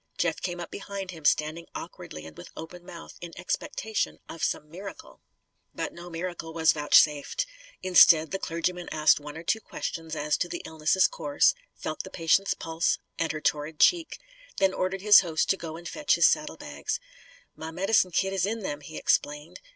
Jeff came up behind him, standing awkwardly and with open mouth, in expectation of some miracle. But no miracle was vouchsafed. Instead the clergyman asked one or two questions as to the illness' course, felt the patient's pulse and her torrid cheek, then ordered his host to go and fetch in his saddlebags. "My medicine kit is in them," he explained.